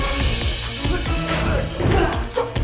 tidak tidak tidak